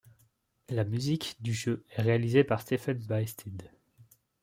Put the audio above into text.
La musique du jeu est réalisée par Stephen Baysted.